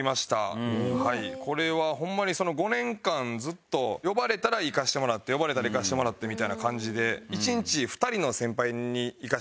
これはホンマにその５年間ずっと呼ばれたら行かしてもらって呼ばれたら行かしてもらってみたいな感じで１日２人の先輩に行かしてもらったりとか。